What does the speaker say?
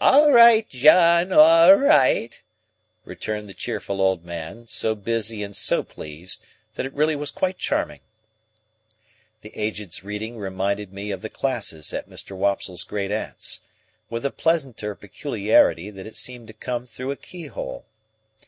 "All right, John, all right!" returned the cheerful old man, so busy and so pleased, that it really was quite charming. The Aged's reading reminded me of the classes at Mr. Wopsle's great aunt's, with the pleasanter peculiarity that it seemed to come through a keyhole.